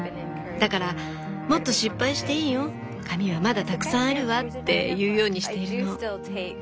だからもっと失敗していいよ紙はまだたくさんあるわって言うようにしているの。